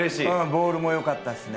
ボールも良かったしね